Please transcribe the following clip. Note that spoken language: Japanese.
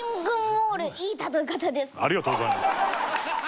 ありがとうございます！